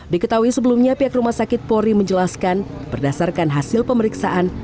diketahui sebelumnya pihak rumah sakit pori menjelaskan berdasarkan hasil pemeriksaan